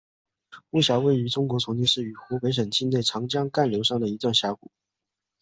巫峡位于中国重庆市和湖北省境内长江干流上的一段峡谷。